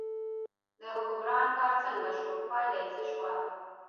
د حکمران کار څنګه شو، پایله یې څه شوه.